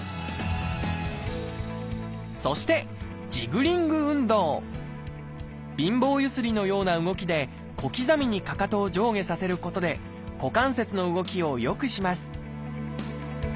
そして貧乏ゆすりのような動きで小刻みにかかとを上下させることで股関節の動きを良くします